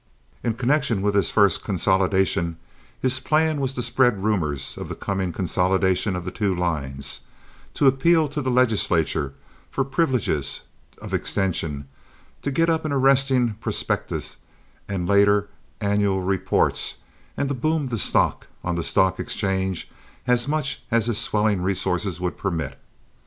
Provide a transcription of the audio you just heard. In connection with this first consolidation, his plan was to spread rumors of the coming consolidation of the two lines, to appeal to the legislature for privileges of extension, to get up an arresting prospectus and later annual reports, and to boom the stock on the stock exchange as much as his swelling resources would permit.